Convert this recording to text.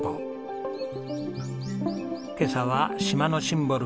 今朝は島のシンボル